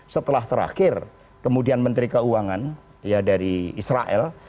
setelah terakhir kemudian menteri keuangan dari israel